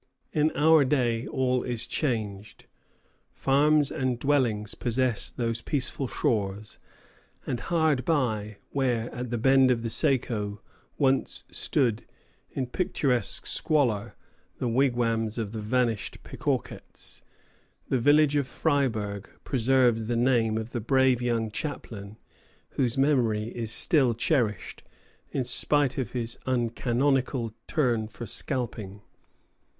In our day all is changed. Farms and dwellings possess those peaceful shores, and hard by, where, at the bend of the Saco, once stood, in picturesque squalor, the wigwams of the vanished Pequawkets, the village of Fryeburg preserves the name of the brave young chaplain, whose memory is still cherished, in spite of his uncanonical turn for scalping.